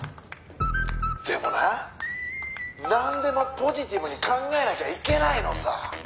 「でもななんでもポジティブに考えなきゃいけないのさ」